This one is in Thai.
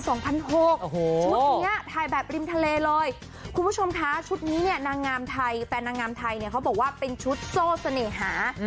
ชุดนี้ถ่ายแบบริมทะเลเลยคุณผู้ชมคะชุดนี้เนี่ยนางงามไทยแฟนนางงามไทยเนี่ยเขาบอกว่าเป็นชุดโซ่เสน่หา